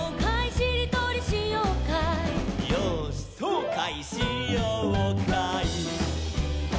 「よーしそうかいしようかい」